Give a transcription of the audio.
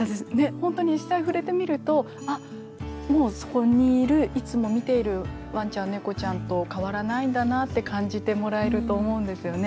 本当に実際触れてみるとあっもうそこにいるいつも見ているワンちゃんネコちゃんと変わらないんだなって感じてもらえると思うんですよね。